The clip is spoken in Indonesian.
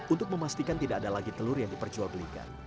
untuk memastikan tidak ada lagi telur yang diperjual belikan